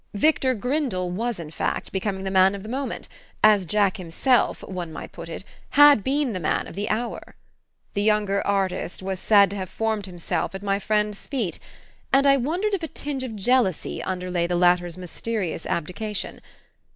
Victor Grindle was, in fact, becoming the man of the moment as Jack himself, one might put it, had been the man of the hour. The younger artist was said to have formed himself at my friend's feet, and I wondered if a tinge of jealousy underlay the latter's mysterious abdication.